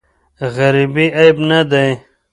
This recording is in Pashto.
غریبې عیب نه دی.